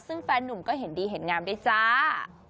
ซึ่งแฟนนุ่มก็เห็นดีเห็นงามด้วยจ้า